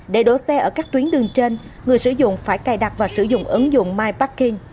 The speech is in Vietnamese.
để đổ xe ở các tuyến đường trên người sử dụng phải cài đặt và sử dụng ứng dụng mypacking